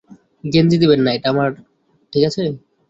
গেঞ্জি দিবেন না, - এটা আমার, - ঠিক আছে।